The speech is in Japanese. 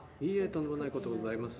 とんでもないことでございます